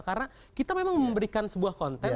karena kita memang memberikan sebuah konten